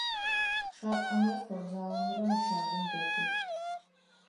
Шхапӏэмрэ спортзалымрэ щагум дэтых.